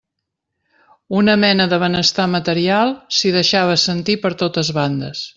Una mena de benestar material s'hi deixava sentir per totes bandes.